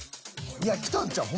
いやきたんちゃう？